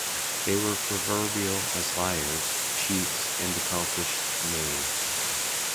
They were proverbial as liars, cheats, and accomplished knaves.